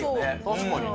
確かにね。